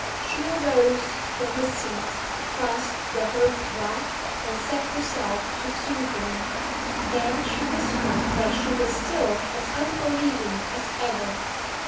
She arose from her seat, crossed the hearthrug, and set herself to soothe him; then she whispered that she was still as unbelieving as ever.